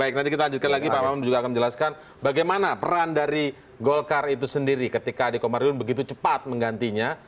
kita lanjutkan lagi pak mamun juga akan menjelaskan bagaimana peran dari golkar itu sendiri ketika dikomparilun begitu cepat menggantinya